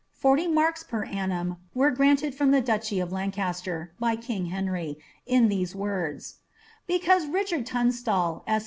Forty marks per annum were granted from the duchy of Lancaster by king Henry, in these words, ^ Because Richard Tunstal, esq.